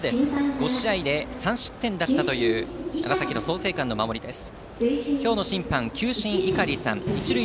５試合で３失点だったという長崎の創成館の守りです。